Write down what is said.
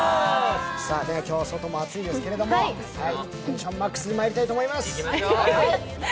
今日は外も暑いですけれども、テンションマックスでまいりたいと思います。